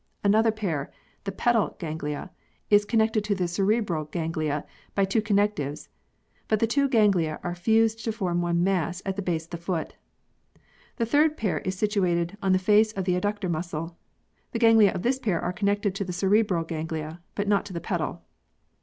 Another pair, the pedal ganglia, is connected to the cerebral ganglia by two connectives, but the two ganglia are fused to form one mass at the base of the foot. The third pair is situated on the face of the adductor muscle. The ganglia of this pair are connected to the cerebral ganglia but not to the pedal.